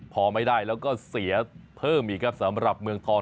พอไม่ได้แล้วก็เสียเพิ่มอีกครับสำหรับเมืองทอง